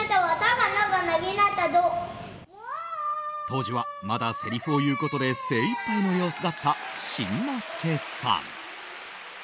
当時はまだせりふを言うことで精いっぱいの様子だった新之助さん。